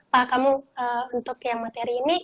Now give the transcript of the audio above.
pak kamu untuk yang materi ini